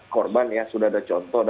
korban ya sudah ada contoh